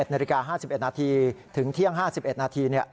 ๑นาฬิกา๕๑นาทีถึงเที่ยง๕๑นาที